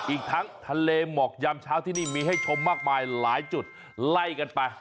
อีกทั้งทะเลหมอกยามเช้าที่นี่มีให้ชมมากมายหลายจุดไล่กันไป